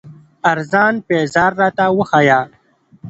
ارزان پېزار راته وښايه